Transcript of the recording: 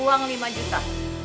uang lima juta